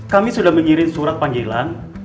kami sudah mengirim surat panggilan